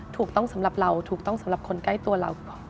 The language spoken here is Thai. ถูกต้องสำหรับเราถูกต้องสำหรับคนใกล้ตัวเรา